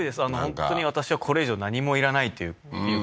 本当に私はこれ以上何もいらないっていうか